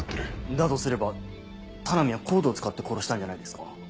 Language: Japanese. だとすれば田波はＣＯＤＥを使って殺したんじゃないですか？